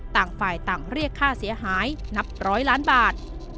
ต่างฝ่ายต่างเรียกค่าเสียหายนับร้อยล้านบาท